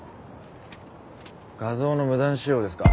画像の無断使用ですか。